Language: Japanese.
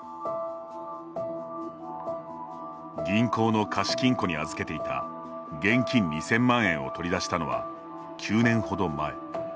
銀行の貸金庫に預けていた現金２０００万円を取り出したのは、９年程前。